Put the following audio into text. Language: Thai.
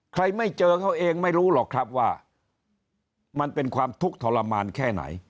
ไม่เจอเขาเองไม่รู้หรอกครับว่ามันเป็นความทุกข์ทรมานแค่ไหน